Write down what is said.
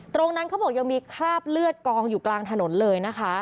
ตรงนั้นเขาบอกยังมีฆาตเลือดกองอยู่กลางถนนเลย